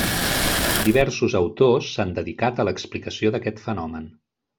Diversos autors s'han dedicat a l'explicació d'aquest fenomen.